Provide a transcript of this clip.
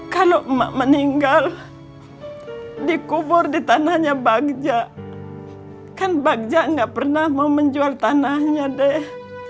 kalau meninggal dikubur di tanahnya bagja kan bagja nggak pernah mau menjual tanahnya deh